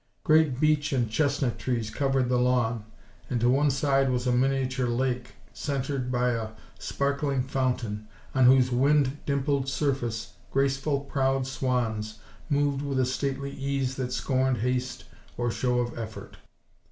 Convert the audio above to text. Great beech and chestnut trees covered the lawn, and to one side was a miniature lake, centered by a sparkling fountain, on whose wind dimpled surface graceful, proud swans moved with a stately ease that scorned haste or show of effort.